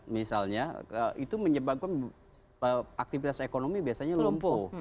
misalnya itu menyebabkan aktivitas ekonomi biasanya lumpuh